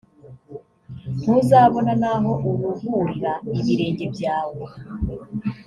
ntuzabona n’aho uruhurira ibirenge byawe;